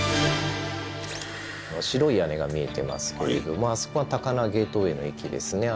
白い屋根が見えてますけれどもあそこが高輪ゲートウェイの駅ですね。